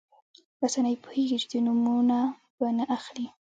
رسنۍ پوهېږي چې د نومونه به نه اخلي.